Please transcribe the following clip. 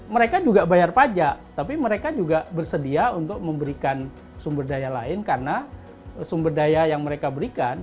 mereka juga bayar pajak tapi mereka juga bersedia untuk memberikan sumber daya lain karena sumber daya yang mereka berikan